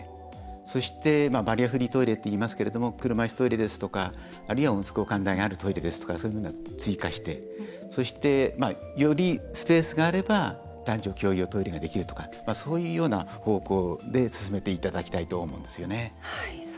そして、バリアフリートイレっていいますけれども車いすトイレですとかあるいは、オムツ交換台があるトイレですとかそういうものを追加してそして、よりスペースがあれば男女共用トイレができるとかそういうような方向で進めていただきたいと思いますね。